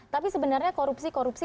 tapi sebenarnya korupsi korupsi